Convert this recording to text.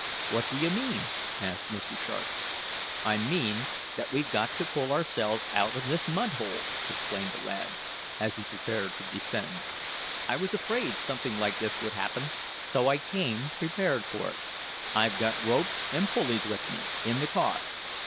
"What do you mean?" asked Mr. Sharp. "I mean that we've got to pull ourselves out of this mud hole," explained the lad, as he prepared to descend. "I was afraid something like this would happen, so I came prepared for it. I've got ropes and pulleys with me, in the car.